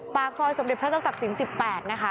ปากซอยสมเด็จพระเจ้าตักศิลป๑๘นะคะ